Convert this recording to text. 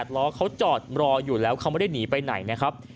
ล้อเขาจอดรออยู่แล้วเขาไม่ได้หนีไปไหนนะครับ